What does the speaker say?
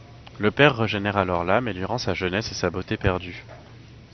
Le Père régénère alors l'âme et lui rend sa jeunesse et sa beauté perdues.